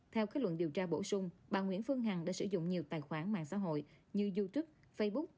theo kết luận điều tra bổ sung bà nguyễn phương hằng đã sử dụng nhiều tài khoản mạng xã hội như youtube facebook